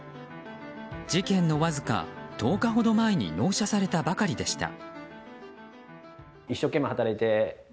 事件のわずか１０日ほど前に納車されたばかりでした。